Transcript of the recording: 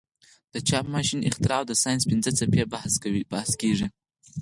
د چاپ ماشین اختراع او د ساینس پنځه څپې بحث کیږي.